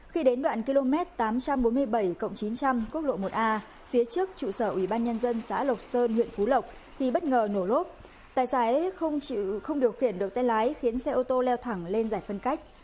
khi đến đoạn km tám trăm bốn mươi bảy chín trăm linh quốc lộ một a phía trước trụ sở ủy ban nhân dân xã lộc sơn huyện phú lộc thì bất ngờ nổ lốp tài xế không điều khiển được tay lái khiến xe ô tô leo thẳng lên giải phân cách